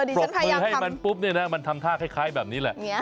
ปรบมือให้มันปุ๊บเนี่ยนะมันทำท่าคล้ายแบบนี้แหละ